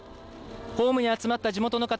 ホームに集まった地元の方